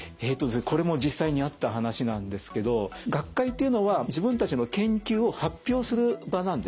これも実際にあった話なんですけど学会というのは自分たちの研究を発表する場なんですね。